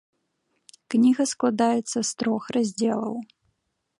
Кніга складаецца з трох раздзелаў.